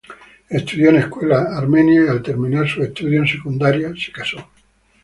Estudió en escuelas armenias y, al terminar sus estudios en secundaria, se casó.